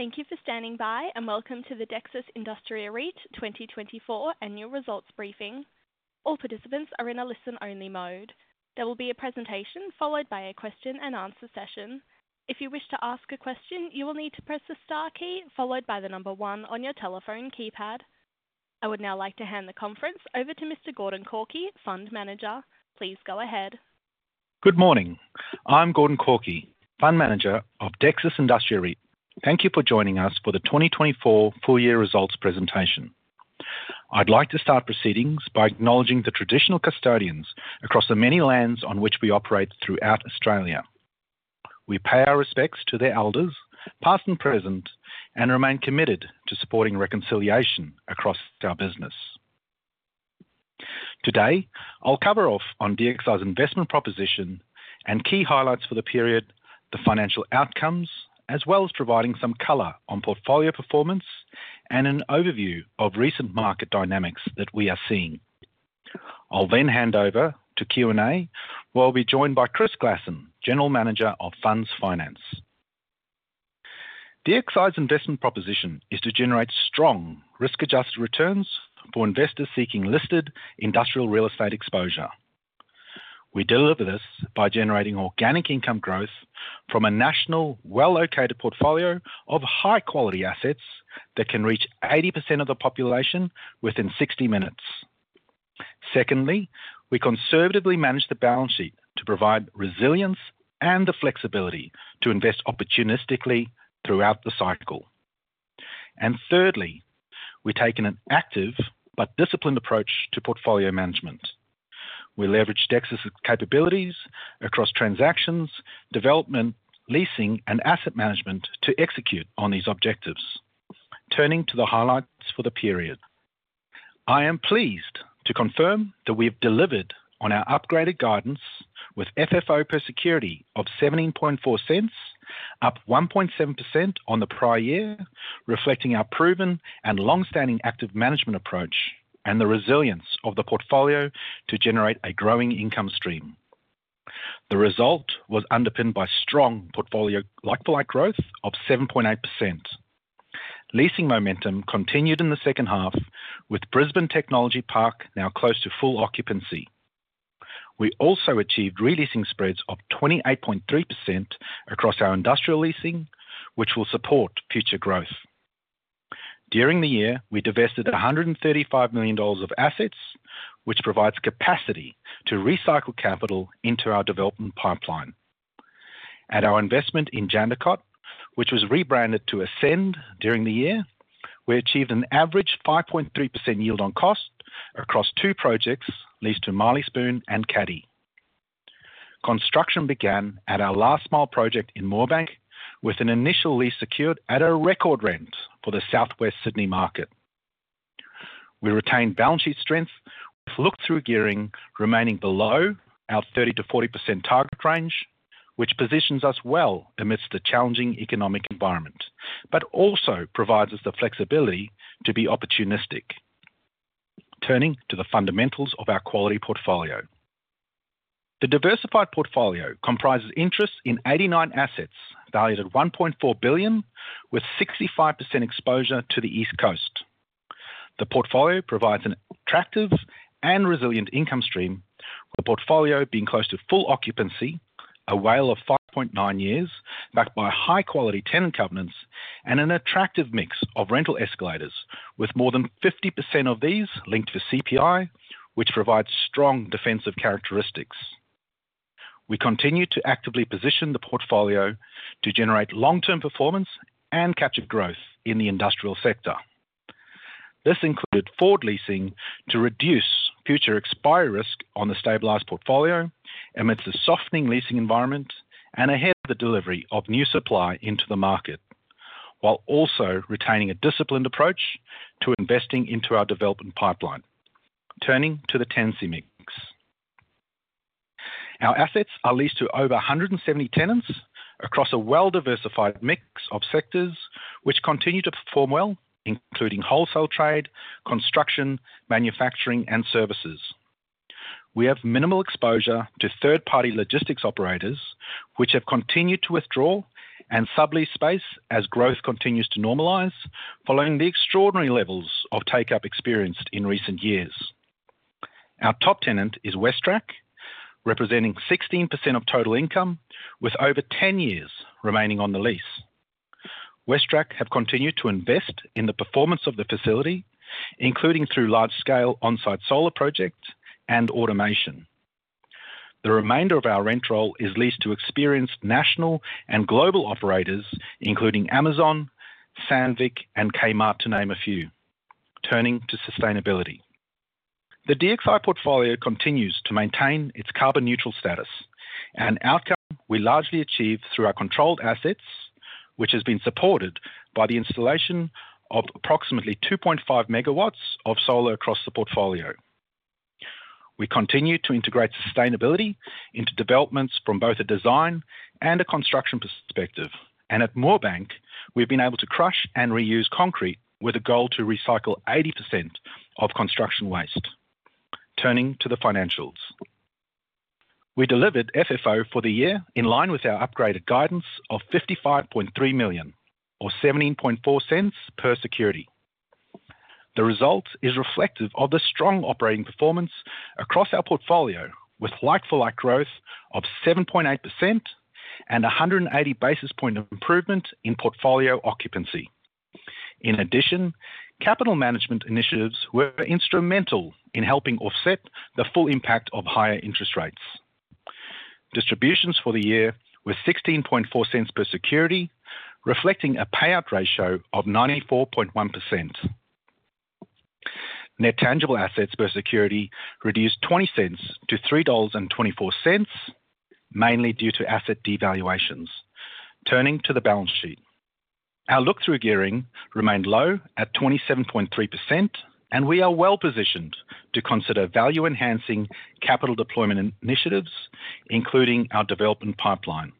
Thank you for standing by, and welcome to the Dexus Industria REIT 2024 annual results briefing. All participants are in a listen-only mode. There will be a presentation followed by a question and answer session. If you wish to ask a question, you will need to press the star key followed by the number 1 on your telephone keypad. I would now like to hand the conference over to Mr. Gordon Korkie, Fund Manager. Please go ahead. Good morning. I'm Gordon Korkie, Fund Manager of Dexus Industria REIT. Thank you for joining us for the 2024 full year results presentation. I'd like to start proceedings by acknowledging the traditional custodians across the many lands on which we operate throughout Australia. We pay our respects to their elders, past and present, and remain committed to supporting reconciliation across our business. Today, I'll cover off on DXI's investment proposition and key highlights for the period, the financial outcomes, as well as providing some color on portfolio performance and an overview of recent market dynamics that we are seeing. I'll then hand over to Q&A, where I'll be joined by Chris Glasson, General Manager of Funds Finance. DXI's investment proposition is to generate strong risk-adjusted returns for investors seeking listed industrial real estate exposure. We deliver this by generating organic income growth from a national, well-located portfolio of high-quality assets that can reach 80% of the population within 60 minutes. Secondly, we conservatively manage the balance sheet to provide resilience and the flexibility to invest opportunistically throughout the cycle. And thirdly, we've taken an active but disciplined approach to portfolio management. We leverage Dexus' capabilities across transactions, development, leasing, and asset management to execute on these objectives. Turning to the highlights for the period. I am pleased to confirm that we've delivered on our upgraded guidance with FFO per security of 0.174, up 1.7% on the prior year, reflecting our proven and long-standing active management approach and the resilience of the portfolio to generate a growing income stream. The result was underpinned by strong portfolio like-for-like growth of 7.8%. Leasing momentum continued in the second half, with Brisbane Technology Park now close to full occupancy. We also achieved re-leasing spreads of 28.3% across our industrial leasing, which will support future growth. During the year, we divested 135 million dollars of assets, which provides capacity to recycle capital into our development pipeline. At our investment in Jandakot, which was rebranded to ASCEND during the year, we achieved an average 5.3% yield on cost across two projects leased to Marley Spoon and Caddy. Construction began at our last mile project in Moorebank, with an initial lease secured at a record rent for the Southwest Sydney market. We retained balance sheet strength, with look-through gearing remaining below our 30%-40% target range, which positions us well amidst the challenging economic environment, but also provides us the flexibility to be opportunistic. Turning to the fundamentals of our quality portfolio. The diversified portfolio comprises interests in 89 assets, valued at 1.4 billion, with 65% exposure to the East Coast. The portfolio provides an attractive and resilient income stream, with the portfolio being close to full occupancy, a WALE of 5.9 years, backed by high-quality tenant covenants and an attractive mix of rental escalators, with more than 50% of these linked to CPI, which provides strong defensive characteristics. We continue to actively position the portfolio to generate long-term performance and capture growth in the industrial sector. This included forward leasing to reduce future expiry risk on the stabilized portfolio amidst the softening leasing environment and ahead of the delivery of new supply into the market, while also retaining a disciplined approach to investing into our development pipeline. Turning to the tenancy mix. Our assets are leased to over 170 tenants across a well-diversified mix of sectors, which continue to perform well, including wholesale, trade, construction, manufacturing, and services. We have minimal exposure to third-party logistics operators, which have continued to withdraw and sublease space as growth continues to normalize, following the extraordinary levels of take-up experienced in recent years. Our top tenant is WesTrac, representing 16% of total income, with over 10 years remaining on the lease. WesTrac have continued to invest in the performance of the facility, including through large-scale on-site solar projects and automation. The remainder of our rent roll is leased to experienced national and global operators, including Amazon, Sandvik, and Kmart, to name a few. Turning to sustainability. The DXI portfolio continues to maintain its carbon neutral status, an outcome we largely achieved through our controlled assets, which has been supported by the installation of approximately 2.5 MW of solar across the portfolio. We continue to integrate sustainability into developments from both a design and a construction perspective, and at Moorebank, we've been able to crush and reuse concrete with a goal to recycle 80% of construction waste. Turning to the financials. We delivered FFO for the year in line with our upgraded guidance of 55.3 million, or 0.174 per security. The result is reflective of the strong operating performance across our portfolio, with like-for-like growth of 7.8% and 180 basis points of improvement in portfolio occupancy. In addition, capital management initiatives were instrumental in helping offset the full impact of higher interest rates. Distributions for the year were 0.164 per security, reflecting a payout ratio of 94.1%. Net tangible assets per security reduced 0.20 to 3.24 dollars, mainly due to asset devaluations. Turning to the balance sheet. Our look-through gearing remained low at 27.3%, and we are well positioned to consider value-enhancing capital deployment initiatives, including our development pipeline.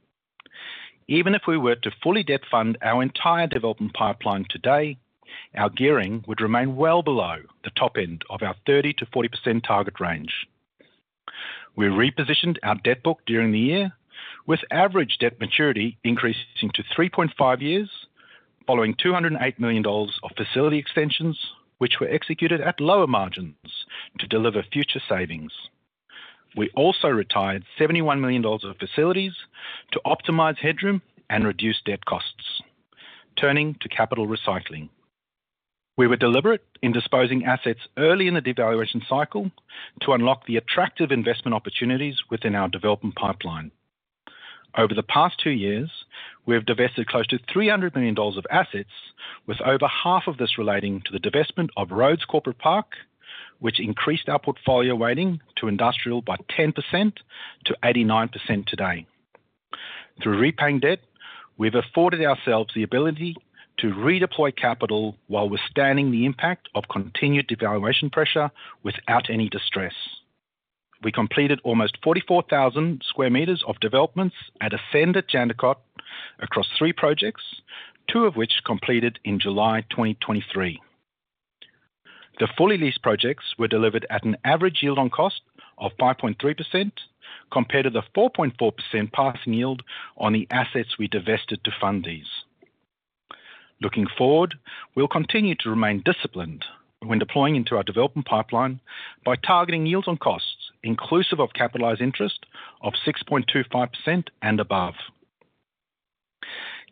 Even if we were to fully debt fund our entire development pipeline today, our gearing would remain well below the top end of our 30%-40% target range. We repositioned our debt book during the year, with average debt maturity increasing to 3.5 years, following 208 million dollars of facility extensions, which were executed at lower margins to deliver future savings. We also retired 71 million dollars of facilities to optimize headroom and reduce debt costs. Turning to capital recycling. We were deliberate in disposing assets early in the devaluation cycle to unlock the attractive investment opportunities within our development pipeline. Over the past two years, we have divested close to 300 million dollars of assets, with over half of this relating to the divestment of Rhodes Corporate Park, which increased our portfolio weighting to industrial by 10% to 89% today. Through repaying debt, we've afforded ourselves the ability to redeploy capital while withstanding the impact of continued devaluation pressure without any distress. We completed almost 44,000 sq m of developments at ASCEND at Jandakot across three projects, two of which completed in July 2023. The fully leased projects were delivered at an average yield on cost of 5.3%, compared to the 4.4% passing yield on the assets we divested to fund these. Looking forward, we'll continue to remain disciplined when deploying into our development pipeline by targeting yields on costs inclusive of capitalized interest of 6.25% and above.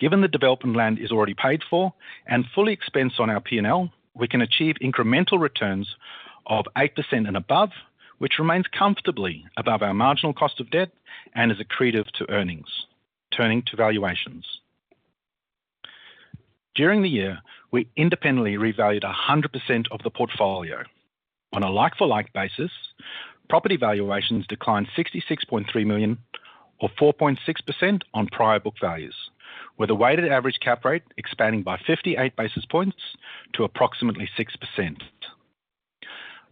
Given the development land is already paid for and fully expensed on our P&L, we can achieve incremental returns of 8% and above, which remains comfortably above our marginal cost of debt and is accretive to earnings. Turning to valuations. During the year, we independently revalued 100% of the portfolio. On a like-for-like basis, property valuations declined 66.3 million or 4.6% on prior book values, with a weighted average cap rate expanding by 58 basis points to approximately 6%.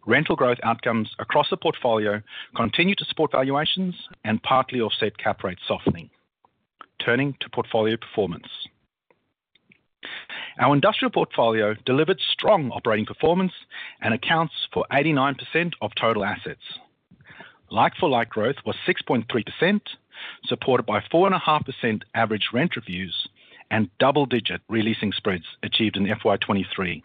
Rental growth outcomes across the portfolio continue to support valuations and partly offset cap rate softening. Turning to portfolio performance. Our industrial portfolio delivered strong operating performance and accounts for 89% of total assets. Like-for-like growth was 6.3%, supported by 4.5% average rent reviews and double-digit re-leasing spreads achieved in FY 2023.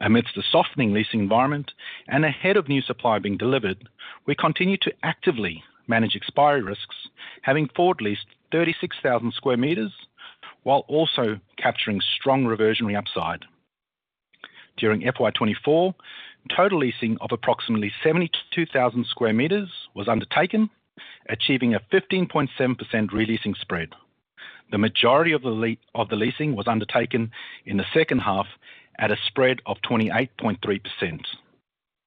Amidst the softening leasing environment and ahead of new supply being delivered, we continue to actively manage expiry risks, having forward-leased 36,000 square meters, while also capturing strong reversionary upside. During FY 2024, total leasing of approximately 72,000 square meters was undertaken, achieving a 15.7% re-leasing spread. The majority of the leasing was undertaken in the second half at a spread of 28.3%.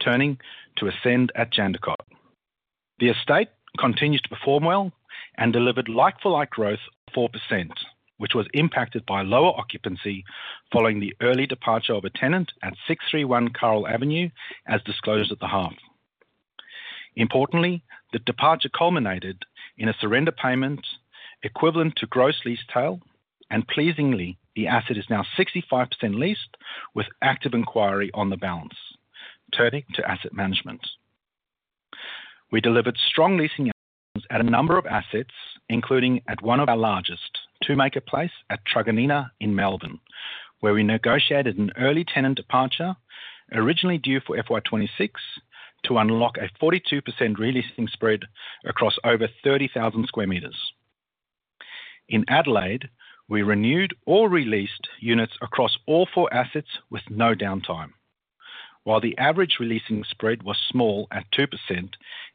Turning to ASCEND at Jandakot. The estate continues to perform well and delivered like-for-like growth of 4%, which was impacted by lower occupancy following the early departure of a tenant at 631 Karel Avenue, as disclosed at the half. Importantly, the departure culminated in a surrender payment equivalent to gross lease tail, and pleasingly, the asset is now 65% leased, with active inquiry on the balance. Turning to asset management. We delivered strong leasing at a number of assets, including at one of our largest, 2 Maker Place at Truganina in Melbourne, where we negotiated an early tenant departure, originally due for FY 2026, to unlock a 42% re-leasing spread across over 30,000 sq m. In Adelaide, we renewed or re-leased units across all four assets with no downtime. While the average re-leasing spread was small at 2%,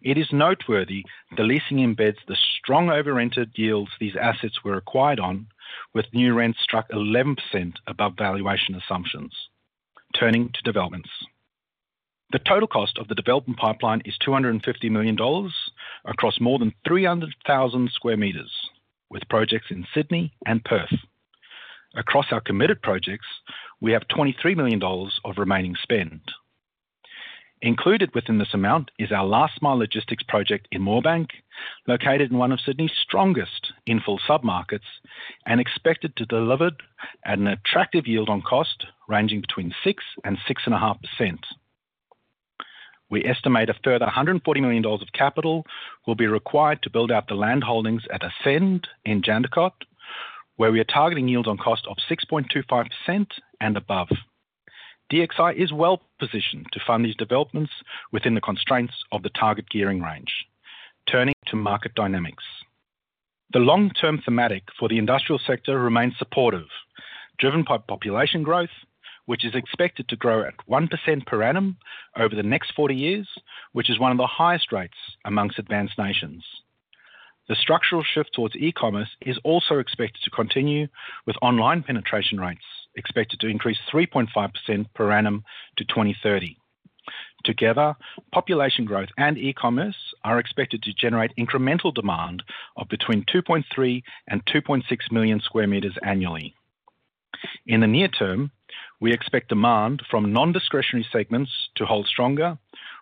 it is noteworthy the leasing embeds the strong overrented yields these assets were acquired on, with new rents struck 11% above valuation assumptions. Turning to developments. The total cost of the development pipeline is 250 million dollars across more than 300,000 square meters, with projects in Sydney and Perth. Across our committed projects, we have 23 million dollars of remaining spend. Included within this amount is our last mile logistics project in Moorebank, located in one of Sydney's strongest in-fill submarkets and expected to deliver at an attractive yield on cost, ranging between 6% and 6.5%. We estimate a further 140 million dollars of capital will be required to build out the land holdings at ASCEND at Jandakot, where we are targeting yield on cost of 6.25% and above. DXI is well positioned to fund these developments within the constraints of the target gearing range. Turning to market dynamics. The long-term thematic for the industrial sector remains supportive, driven by population growth, which is expected to grow at 1% per annum over the next 40 years, which is one of the highest rates amongst advanced nations. The structural shift towards e-commerce is also expected to continue, with online penetration rates expected to increase 3.5% per annum to 2030. Together, population growth and e-commerce are expected to generate incremental demand of between 2.3 and 2.6 million square meters annually. In the near term, we expect demand from non-discretionary segments to hold stronger,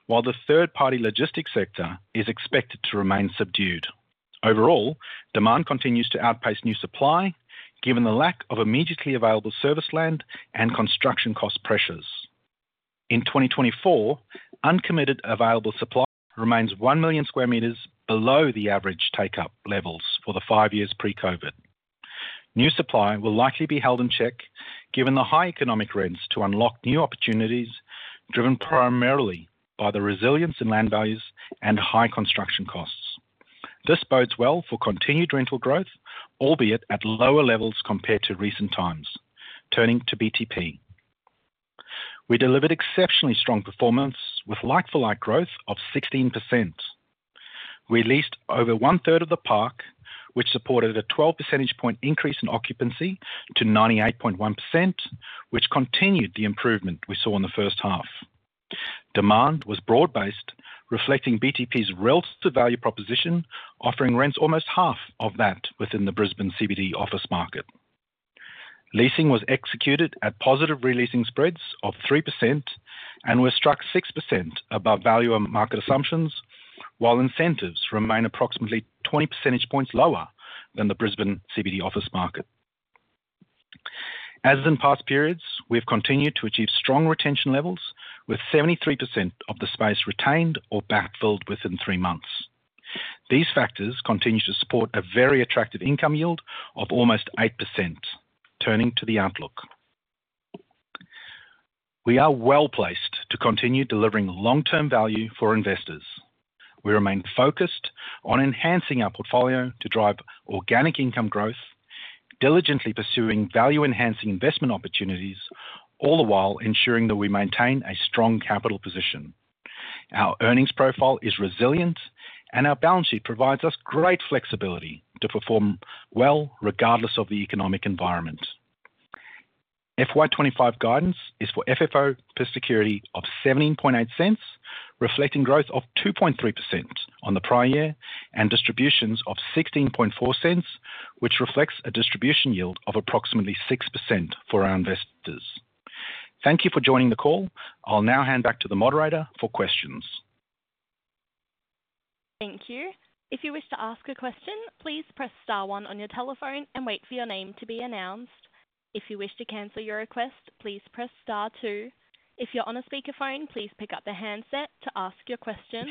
while the third-party logistics sector is expected to remain subdued. Overall, demand continues to outpace new supply, given the lack of immediately available service land and construction cost pressures. In 2024, uncommitted available supply remains 1 million sq m below the average take-up levels for the five years pre-COVID. New supply will likely be held in check, given the high economic rents to unlock new opportunities, driven primarily by the resilience in land values and high construction costs. This bodes well for continued rental growth, albeit at lower levels compared to recent times. Turning to BTP. We delivered exceptionally strong performance with like-for-like growth of 16%. We leased over one-third of the park, which supported a 12 percentage point increase in occupancy to 98.1%, which continued the improvement we saw in the first half. Demand was broad-based, reflecting BTP's relative value proposition, offering rents almost half of that within the Brisbane CBD office market. Leasing was executed at positive re-leasing spreads of 3% and were struck 6% above value on market assumptions, while incentives remain approximately 20 percentage points lower than the Brisbane CBD office market. As in past periods, we've continued to achieve strong retention levels, with 73% of the space retained or backfilled within 3 months. These factors continue to support a very attractive income yield of almost 8%. Turning to the outlook. We are well-placed to continue delivering long-term value for investors. We remain focused on enhancing our portfolio to drive organic income growth, diligently pursuing value-enhancing investment opportunities, all the while ensuring that we maintain a strong capital position. Our earnings profile is resilient, and our balance sheet provides us great flexibility to perform well, regardless of the economic environment. FY 2025 guidance is for FFO per security of 0.178, reflecting growth of 2.3% on the prior year, and distributions of 0.164, which reflects a distribution yield of approximately 6% for our investors. Thank you for joining the call. I'll now hand back to the moderator for questions. Thank you. If you wish to ask a question, please press star one on your telephone and wait for your name to be announced. If you wish to cancel your request, please press star two. If you're on a speakerphone, please pick up the handset to ask your question.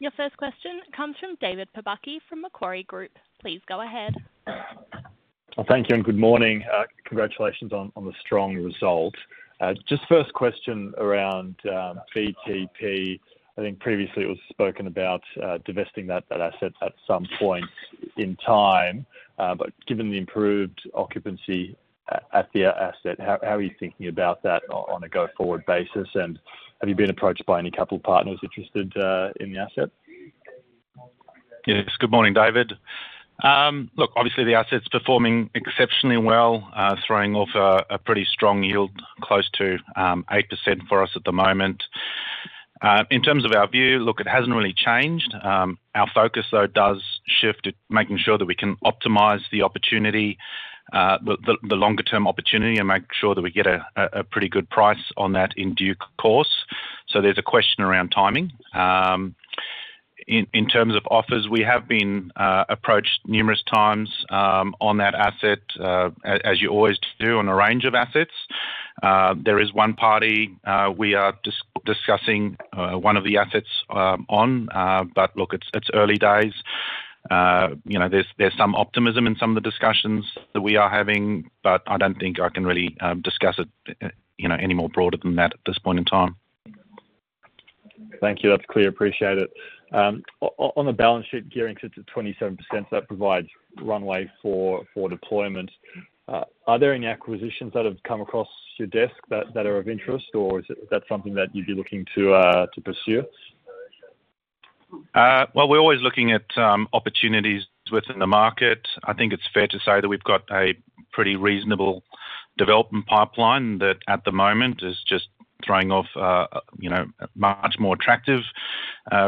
Your first question comes from David Pobucky from Macquarie Group. Please go ahead. Thank you, and good morning. Congratulations on the strong result. Just first question around BTP. I think previously it was spoken about divesting that asset at some point in time, but given the improved occupancy at the asset, how are you thinking about that on a go-forward basis? And have you been approached by any capital partners interested in the asset? Yes. Good morning, David. Look, obviously, the asset's performing exceptionally well, throwing off a pretty strong yield, close to 8% for us at the moment. In terms of our view, look, it hasn't really changed. Our focus, though, does shift to making sure that we can optimize the opportunity, the longer-term opportunity, and make sure that we get a pretty good price on that in due course. So there's a question around timing. In terms of offers, we have been approached numerous times, on that asset, as you always do on a range of assets. There is one party we are discussing one of the assets with, but look, it's early days. You know, there's some optimism in some of the discussions that we are having, but I don't think I can really discuss it, you know, any more broader than that at this point in time. Thank you. That's clear. Appreciate it. On the balance sheet, gearing sits at 27%. So that provides runway for, for deployment. Are there any acquisitions that have come across your desk that, that are of interest, or is it-- that something that you'd be looking to, to pursue? Well, we're always looking at opportunities within the market. I think it's fair to say that we've got a pretty reasonable development pipeline that at the moment is just throwing off, you know, much more attractive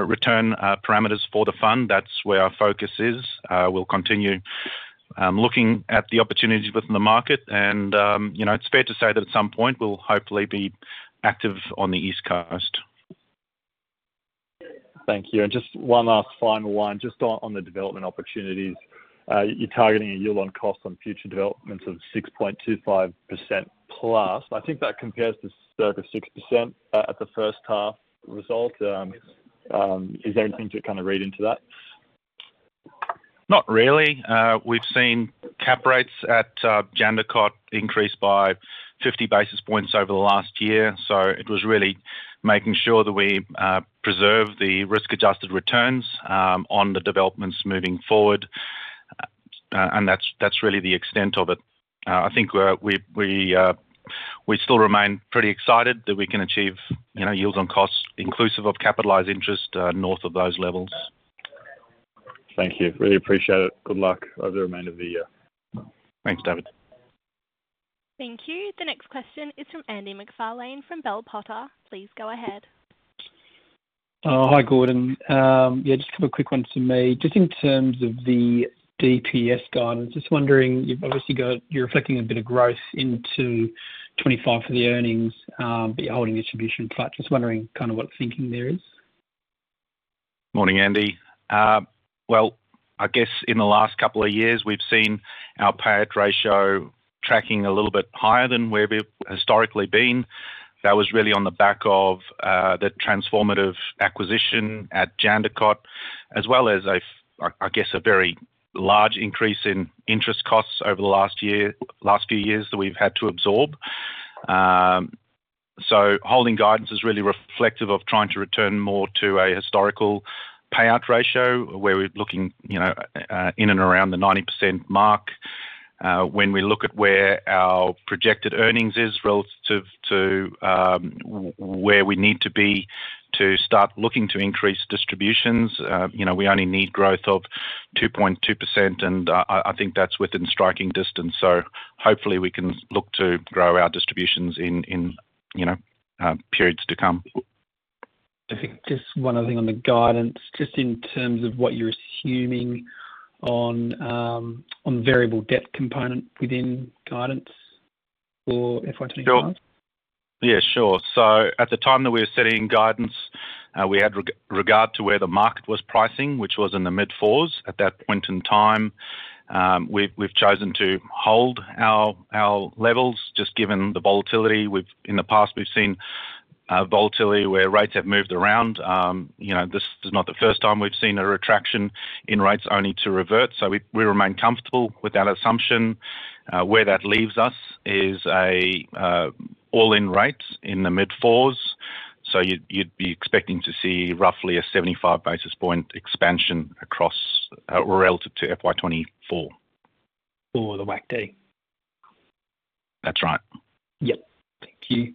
return parameters for the fund. That's where our focus is. We'll continue looking at the opportunities within the market, and, you know, it's fair to say that at some point we'll hopefully be active on the East Coast. Thank you. And just one last final one, just on the development opportunities. You're targeting a yield on cost on future developments of 6.25%+. I think that compares to circa 6%, at the first-half result. Is there anything to kind of read into that? Not really. We've seen cap rates at Jandakot increase by 50 basis points over the last year, so it was really making sure that we preserve the risk-adjusted returns on the developments moving forward. And that's really the extent of it. I think we still remain pretty excited that we can achieve, you know, yields on costs inclusive of capitalized interest north of those levels. Thank you. Really appreciate it. Good luck over the remainder of the year. Thanks, David. Thank you. The next question is from Andy MacFarlane from Bell Potter. Please go ahead. Hi, Gordon. Yeah, just a couple quick ones from me. Just in terms of the DPS guidance, just wondering, you've obviously got—you're reflecting a bit of growth into 2025 for the earnings, but you're holding the distribution flat. Just wondering kind of what the thinking there is. Morning, Andy. Well, I guess in the last couple of years, we've seen our payout ratio tracking a little bit higher than where we've historically been. That was really on the back of the transformative acquisition at Jandakot, as well as, I guess, a very large increase in interest costs over the last year, last few years that we've had to absorb. So holding guidance is really reflective of trying to return more to a historical payout ratio, where we're looking, you know, in and around the 90% mark. When we look at where our projected earnings is relative to where we need to be to start looking to increase distributions, you know, we only need growth of 2.2%, and I think that's within striking distance. Hopefully we can look to grow our distributions in, you know, periods to come. I think just one other thing on the guidance, just in terms of what you're assuming on variable debt component within guidance for FY 2025. Sure. Yeah, sure. So at the time that we were setting guidance, we had regard to where the market was pricing, which was in the mid-fours at that point in time. We've chosen to hold our levels, just given the volatility. We've in the past, we've seen volatility where rates have moved around. You know, this is not the first time we've seen a retraction in rates only to revert, so we remain comfortable with that assumption. Where that leaves us is a all-in rates in the mid-fours, so you'd be expecting to see roughly a 75 basis point expansion across relative to FY 2024. For the WACD? That's right. Yep. Thank you.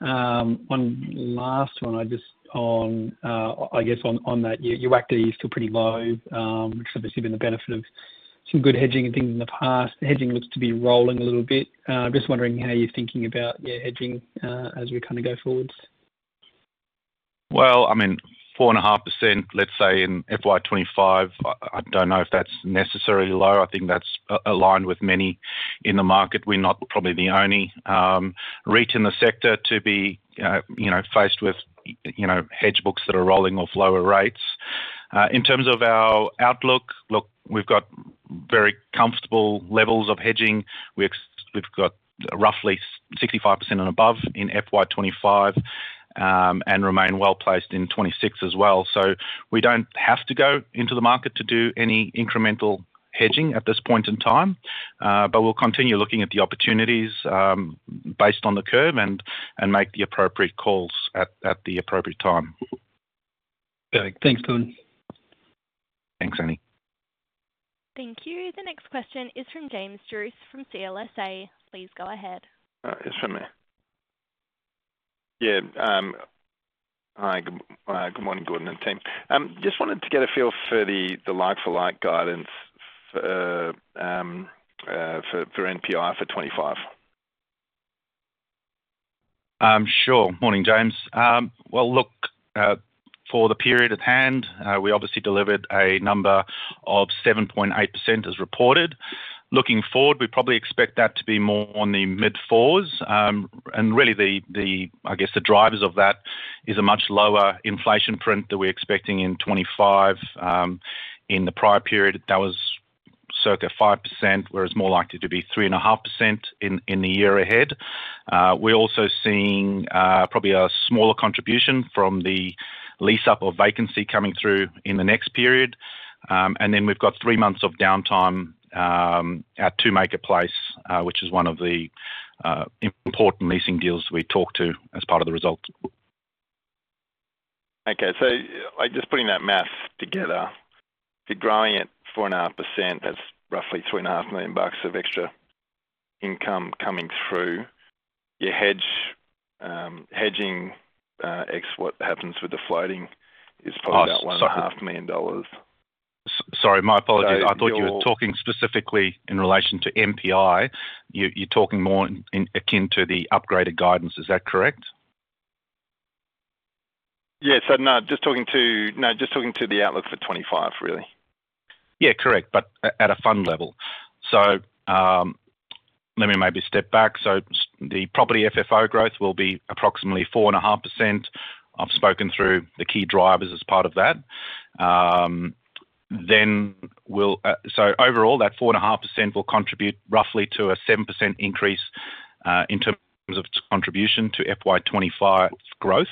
One last one. I just on, I guess, on, on that, your, your WACD is still pretty low, which has obviously been the benefit of some good hedging and things in the past. The hedging looks to be rolling a little bit. Just wondering how you're thinking about your hedging, as we kind of go forward. Well, I mean, 4.5%, let's say in FY 2025, I don't know if that's necessarily low. I think that's aligned with many in the market. We're not probably the only REIT in the sector to be, you know, faced with, you know, hedge books that are rolling off lower rates. In terms of our outlook, look, we've got very comfortable levels of hedging. We've got roughly 65% and above in FY 2025, and remain well-placed in 2026 as well. So we don't have to go into the market to do any incremental hedging at this point in time, but we'll continue looking at the opportunities, based on the curve and make the appropriate calls at the appropriate time. Okay. Thanks, Gordon. Thanks, Andy. Thank you. The next question is from James Druce from CLSA. Please go ahead. It's from me. Hi, good morning, Gordon and team. Just wanted to get a feel for the like-for-like guidance for NPI for 25. Sure. Morning, James. Well, look, for the period at hand, we obviously delivered a number of 7.8% as reported. Looking forward, we probably expect that to be more on the mid-fours. And really, the drivers of that is a much lower inflation print that we're expecting in 2025. In the prior period, that was circa 5%, whereas more likely to be 3.5% in the year ahead. We're also seeing probably a smaller contribution from the lease-up of vacancy coming through in the next period. And then we've got three months of downtime at 2 Maker Place, which is one of the important leasing deals we talked to as part of the result. Okay. So by just putting that math together, you're growing at 4.5%, that's roughly 3.5 million bucks of extra income coming through. Your hedging ex what happens with the floating is probably about 1.5 million dollars. Sorry, my apologies. So you're- I thought you were talking specifically in relation to NPI. You're talking more akin to the upgraded guidance, is that correct? Yeah. So no, just talking to... No, just talking to the outlook for 2025, really.... Yeah, correct, but at a fund level. So, let me maybe step back. So the property FFO growth will be approximately 4.5%. I've spoken through the key drivers as part of that. Then we'll. So overall, that 4.5% will contribute roughly to a 7% increase, in terms of its contribution to FY 2025 growth.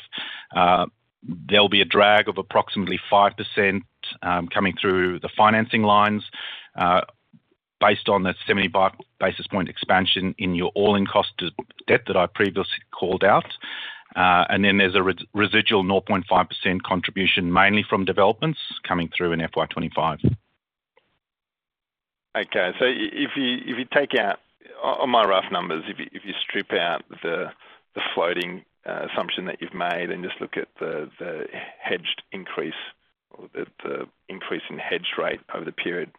There'll be a drag of approximately 5%, coming through the financing lines, based on the 70 basis point expansion in your all-in cost of debt that I previously called out. And then there's a residual 0.5% contribution, mainly from developments, coming through in FY 2025. Okay, so if you, if you take out, on my rough numbers, if you, if you strip out the floating assumption that you've made and just look at the hedged increase or the increase in hedge rate over the period,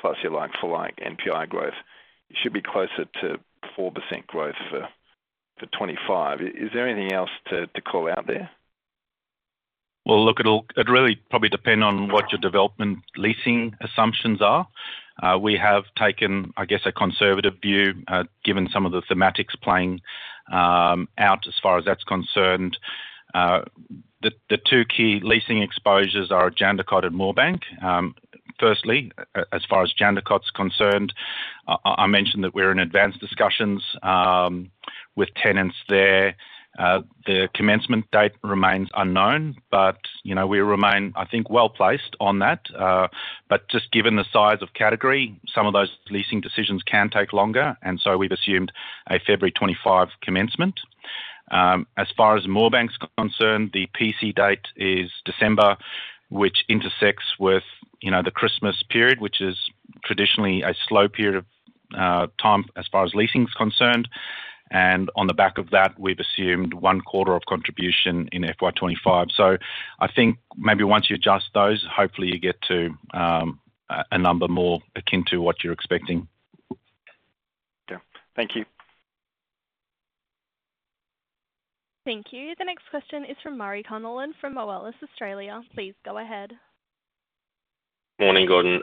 plus your like for like NPI growth, it should be closer to 4% growth for 2025. Is there anything else to call out there? Well, look, it'll really probably depend on what your development leasing assumptions are. We have taken, I guess, a conservative view, given some of the thematics playing out as far as that's concerned. The two key leasing exposures are Jandakot and Moorebank. Firstly, as far as Jandakot is concerned, I mentioned that we're in advanced discussions with tenants there. The commencement date remains unknown, but, you know, we remain, I think, well-placed on that. But just given the size of category, some of those leasing decisions can take longer, and so we've assumed a February 2025 commencement. As far as Moorebank is concerned, the PC date is December, which intersects with, you know, the Christmas period, which is traditionally a slow period of time as far as leasing is concerned. On the back of that, we've assumed one quarter of contribution in FY 25. I think maybe once you adjust those, hopefully you get to a number more akin to what you're expecting. Yeah. Thank you. Thank you. The next question is from Murray Connellan from Moelis Australia. Please go ahead. Morning, Gordon.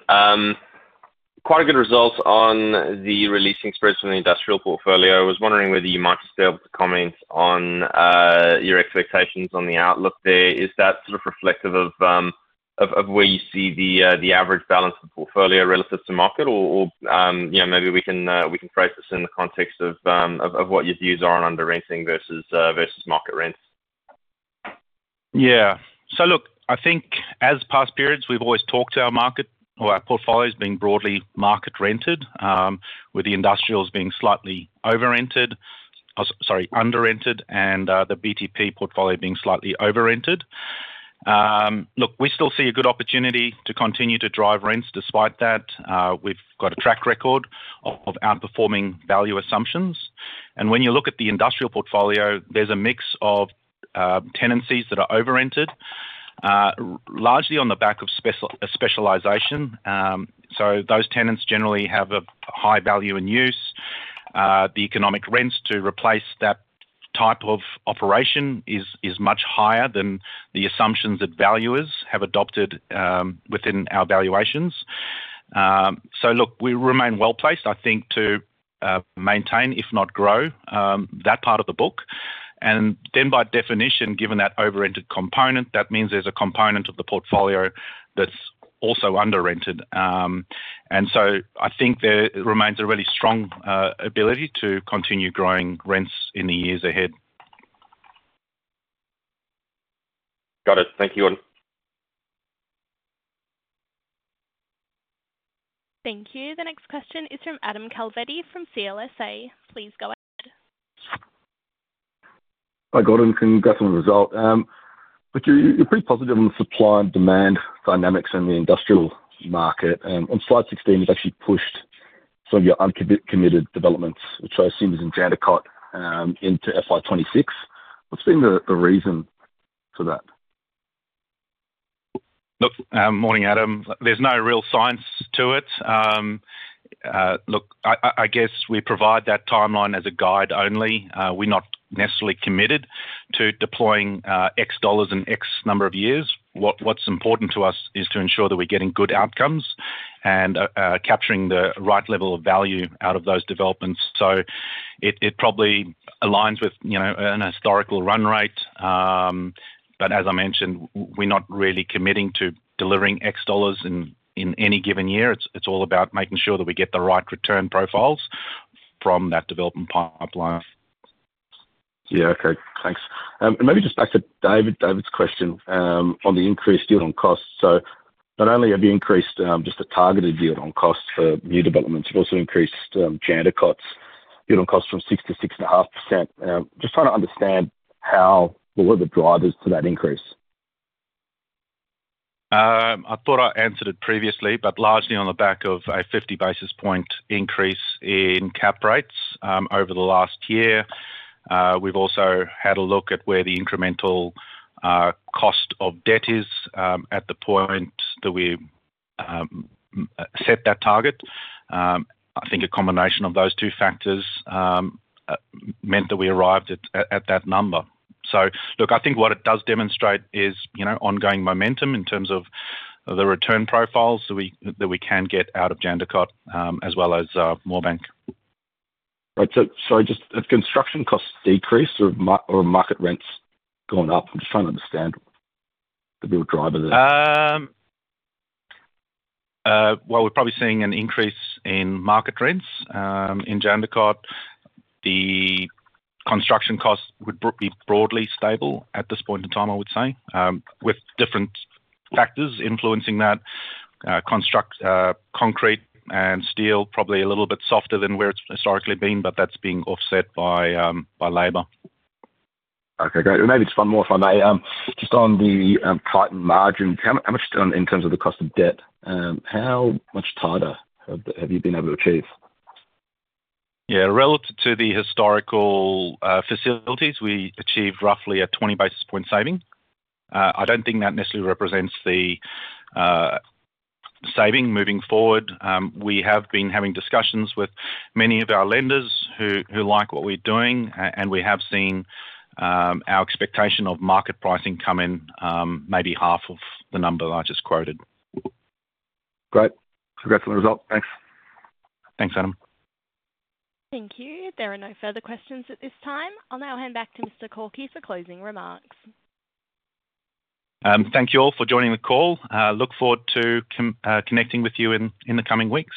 Quite a good result on the re-leasing spreads from the industrial portfolio. I was wondering whether you might just be able to comment on your expectations on the outlook there. Is that sort of reflective of where you see the average balance of the portfolio relative to market or you know, maybe we can phrase this in the context of what your views are on under renting versus market rents? Yeah. So look, I think as past periods, we've always talked to our market or our portfolios being broadly market rented, with the industrials being slightly over-rented, oh, sorry, under-rented, and the BTP portfolio being slightly over-rented. Look, we still see a good opportunity to continue to drive rents. Despite that, we've got a track record of outperforming value assumptions. And when you look at the industrial portfolio, there's a mix of tenancies that are over-rented, largely on the back of specialization. So those tenants generally have a high value and use. The economic rents to replace that type of operation is much higher than the assumptions that valuers have adopted within our valuations. So look, we remain well-placed, I think, to maintain, if not grow, that part of the book. And then by definition, given that over-rented component, that means there's a component of the portfolio that's also under-rented. So I think there remains a really strong ability to continue growing rents in the years ahead. Got it. Thank you, Gordon. Thank you. The next question is from Adam Calvetti from CLSA. Please go ahead. Hi, Gordon. Congrats on the result. Look, you, you're pretty positive on the supply and demand dynamics in the industrial market. On slide 16, you've actually pushed some of your uncommitted developments, which I assume is in Jandakot, into FY 2026. What's been the reason for that? Look, morning, Adam. There's no real science to it. Look, I guess we provide that timeline as a guide only. We're not necessarily committed to deploying X dollars in X number of years. What's important to us is to ensure that we're getting good outcomes and capturing the right level of value out of those developments. So it probably aligns with, you know, an historical run rate. But as I mentioned, we're not really committing to delivering X dollars in any given year. It's all about making sure that we get the right return profiles from that development pipeline. Yeah, okay. Thanks. And maybe just back to David, David's question, on the increased development costs. So not only have you increased, just the targeted development costs for new developments, you've also increased, Jandakot's development costs from 6% to 6.5%. Just trying to understand how, what were the drivers to that increase? I thought I answered it previously, but largely on the back of a 50 basis point increase in cap rates over the last year. We've also had a look at where the incremental cost of debt is at the point that we set that target. I think a combination of those two factors meant that we arrived at that number. So look, I think what it does demonstrate is, you know, ongoing momentum in terms of the return profiles that we can get out of Jandakot, as well as Moorebank. Right. So, sorry, just have construction costs decreased or market rents gone up? I'm just trying to understand the real driver there. Well, we're probably seeing an increase in market rents. In Jandakot, the construction costs would be broadly stable at this point in time, I would say, with different factors influencing that. Concrete and steel, probably a little bit softer than where it's historically been, but that's being offset by labor. Okay, great. Maybe just one more, if I may. Just on the tightening margin, how much in terms of the cost of debt, how much tighter have you been able to achieve? Yeah, relative to the historical facilities, we achieved roughly a 20 basis point saving. I don't think that necessarily represents the saving moving forward. We have been having discussions with many of our lenders who like what we're doing, and we have seen our expectation of market pricing come in, maybe half of the number that I just quoted. Great. Congrats on the result. Thanks. Thanks, Adam. Thank you. There are no further questions at this time. I'll now hand back to Mr. Korkie for closing remarks. Thank you all for joining the call. Look forward to connecting with you in the coming weeks.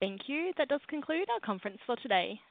Thank you. That does conclude our conference for today.